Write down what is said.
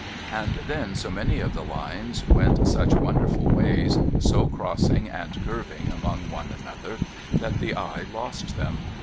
And then so many of the Lines went such wonderful ways, so crossing and curving among one another, that the eye lost them.